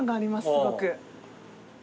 すごく。